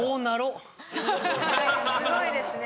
すごいですね。